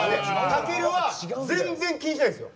たけるは全然気にしないんですよ。